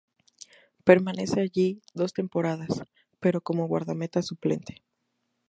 Permanece allí dos temporadas, pero como guardameta suplente.